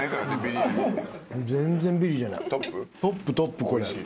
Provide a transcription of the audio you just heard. トップトップこれ。